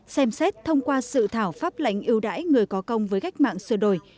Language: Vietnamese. xem xét thông qua sự thảo pháp lãnh ưu đãi người có công với gách mạng sửa đổi